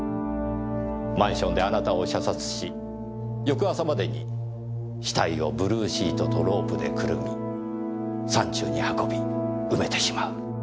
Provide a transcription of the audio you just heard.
マンションであなたを射殺し翌朝までに死体をブルーシートとロープでくるみ山中に運び埋めてしまう。